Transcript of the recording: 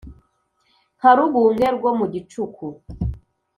Nka Rubunge rwo mu gicuku